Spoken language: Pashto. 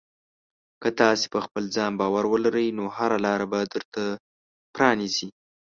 که تاسې په خپل ځان باور ولرئ، نو هره لاره به درته پرانیزي.